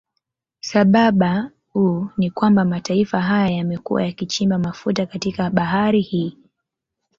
Sababau ni kwamba mataifa haya yamekuwa yakichimba mafuta katika bahari hii